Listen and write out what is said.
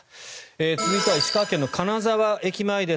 続いては石川県の金沢駅前です。